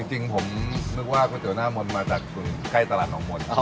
จริงผมนึกว่าก๋วยเตี๋หน้ามนต์มาจากใกล้ตลาดหนองมนต์